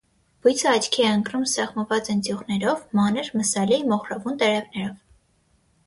Բույսը աչքի է ընկնում սեղմված ընձյուղներով, մանր, մսալի, մոխրավուն տերևներով։